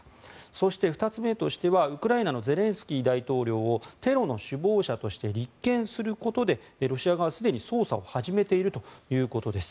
そして、２つ目としてはウクライナのゼレンスキー大統領をテロの首謀者として立件することでロシア側はすでに捜査を始めているということです。